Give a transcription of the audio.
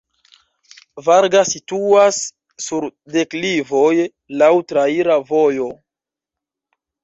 Varga situas sur deklivoj, laŭ traira vojo.